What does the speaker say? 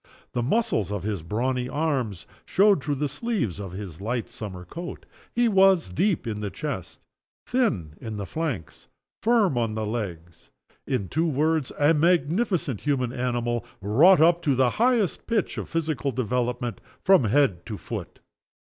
The muscles of his brawny arms showed through the sleeves of his light summer coat. He was deep in the chest, thin in the flanks, firm on the legs in two words a magnificent human animal, wrought up to the highest pitch of physical development, from head to foot.